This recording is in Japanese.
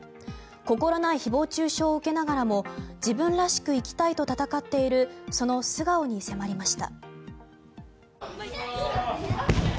心ない誹謗・中傷を受けながらも自分らしく生きたいと闘っているその素顔に迫りました。